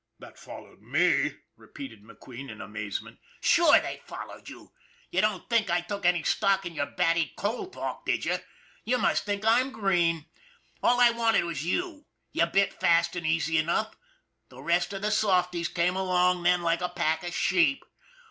" That followed me ?" repeated McQueen in amazement. McQUEEN'S HOBBY 289 "Sure, that followed you! You didn't think I took any stock in your batty coal talk, did you? You must think I'm green ! All I wanted was you you bit fast and easy enough the rest of the softies came along then like a pack of sheep.